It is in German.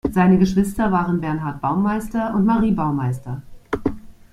Seine Geschwister waren Bernhard Baumeister und Marie Baumeister.